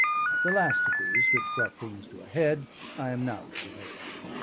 The last of these, which brought things to a head, I am now to relate.